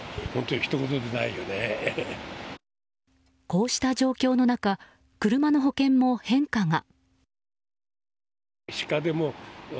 こうした状況の中車の保険も変化が。